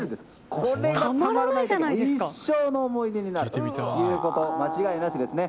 これが流れると一生の思い出になること間違いなしですね。